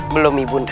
belum ya bunda